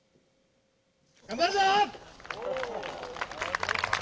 頑張るぞ。